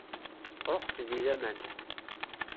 Ruḥet di laman.